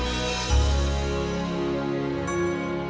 terima kasih pak